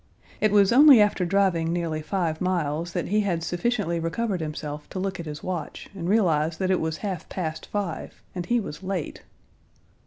It was only after driving nearly five miles that he had sufficiently recovered himself to look at his watch, and realize that it was half past five, and he was late.